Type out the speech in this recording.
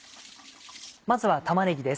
まずは玉ねぎです。